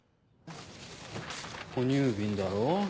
哺乳瓶だろ